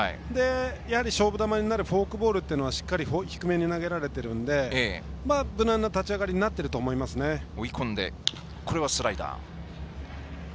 やはり勝負球になるフォークボールはしっかり低めに投げられているので無難な立ち上がりに追い込んでこれはスライダー。